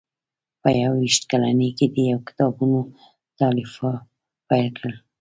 په یو ویشت کلنۍ کې یې د کتابونو تالیف پیل کړ.